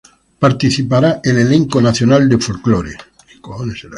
Participará el Elenco Nacional de Folclore.